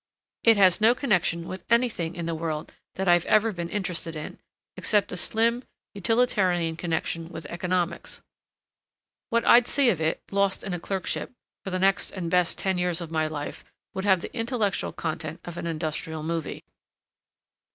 It has no connection with anything in the world that I've ever been interested in, except a slim, utilitarian connection with economics. What I'd see of it, lost in a clerkship, for the next and best ten years of my life would have the intellectual content of an industrial movie."